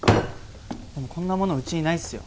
でもこんなものうちにないっすよ